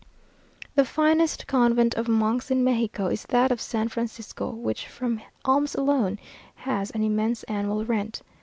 The finest convent of monks in Mexico is that of San Francisco, which from alms alone has an immense annual rent.